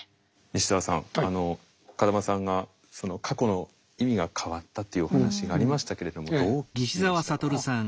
西澤さん風間さんが過去の意味が変わったというお話がありましたけれどもどう聞きましたか？